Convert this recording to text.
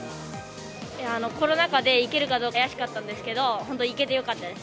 コロナ禍で行けるかどうか怪しかったんですけど、本当、行けてよかったです。